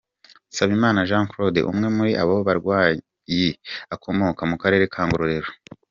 Nsabimana Jean Claude, umwe muri abo barwayi akomoka mu Karere ka Ngororero.